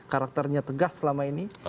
karakternya tegas selama ini